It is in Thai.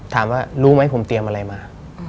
ถามว่ารู้ไหมผมเตรียมอะไรมา